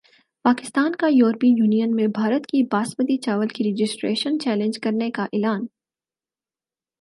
پاکستان کا یورپی یونین میں بھارت کی باسمتی چاول کی رجسٹریشن چیلنج کرنیکا اعلان